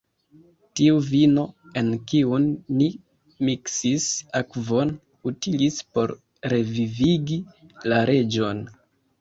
Tiu vino, en kiun ni miksis akvon, utilis por revivigi la reĝon.